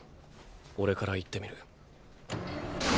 俺から言ってみる。